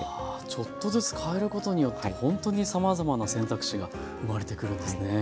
ちょっとずつ変えることによってほんとにさまざまな選択肢が生まれてくるんですね。